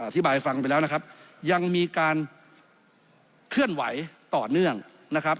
อธิบายฟังไปแล้วนะครับยังมีการเคลื่อนไหวต่อเนื่องนะครับ